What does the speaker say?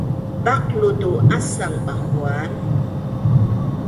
baqlu tu asang Bahuan